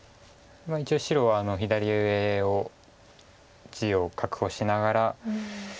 一応白は左上を地を確保しながら。